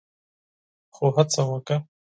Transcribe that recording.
خو هڅه وکړه